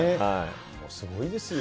すごいですよ。